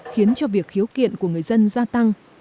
khiến cho việc khiếu kiện của người dân gia tăng